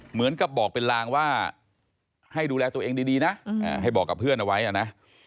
เหมือนกับบอกเป็นลางว่าให้ดูแลตัวเองดีนะให้บอกกับเพื่อนเอาไว้นะ